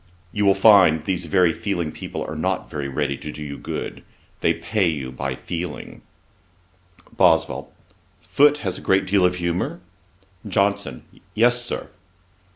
You will find these very feeling people are not very ready to do you good. They pay you by feeling.' BOSWELL. 'Foote has a great deal of humour?' JOHNSON. 'Yes, Sir.'